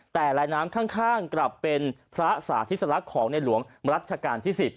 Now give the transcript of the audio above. แต่ลายน้ำข้างกลับเป็นพระสาธิสลักษณ์ของในหลวงรัชกาลที่๑๐